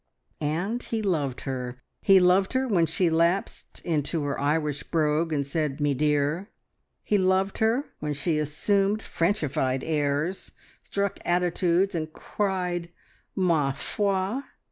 And he loved her. He loved her when she lapsed into her Irish brogue, and said "Me dear"; he loved her when she assumed Frenchified airs, struck attitudes, and cried "Ma foi!"